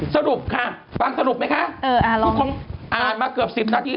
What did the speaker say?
สรุปค่ะฟังสรุปไหมคะอ่านมาเกือบ๑๐นาที